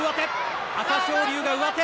朝青龍上手。